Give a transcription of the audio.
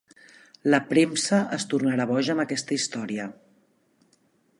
La premsa es tornarà boja amb aquesta història.